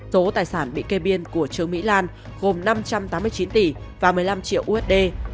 số tài sản bị kê biên của trương mỹ lan gồm năm trăm tám mươi chín tỷ và một mươi năm triệu usd